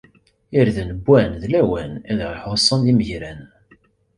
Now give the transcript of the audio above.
Irden wwan d lawan, i aɣ-ixuṣṣen d imegran!